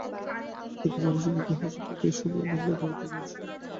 তোমার দুঃখী মানুষের মুখে হাসি ফুটিয়ে সোনার বাংলা গড়ে তুলবই ইনশাআল্লাহ।